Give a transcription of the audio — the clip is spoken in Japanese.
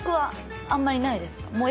あんまりないですか？